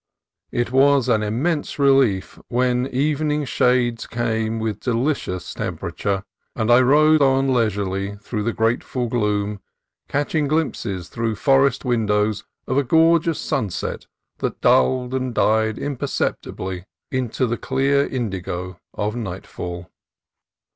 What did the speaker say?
It was an immense relief when even ing shades came with delicious temperature, and I rode on leisurely through the grateful gloom, catch ing glimpses through forest windows of a gorgeous sunset that dulled and died imperceptibly into the clear indigo of nightfall.